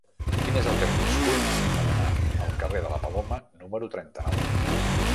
Quin és el camí més curt per anar al carrer de la Paloma número trenta-nou?